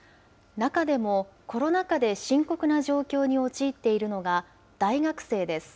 中でもコロナ禍で深刻な状況に陥っているのが、大学生です。